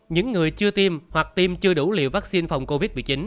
những người chưa tiêm hoặc tiêm chưa đủ liều vaccine phòng covid một mươi chín